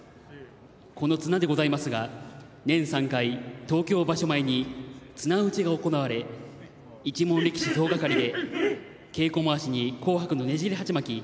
この綱でございますが年３回東京場所前に綱打ちが行われ一門力士総がかりで稽古まわしに紅白のねじり鉢巻き